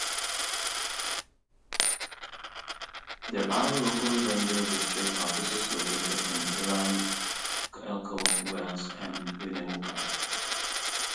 There are local ranger district offices located in Ely, Elko, Wells, and Winnemucca.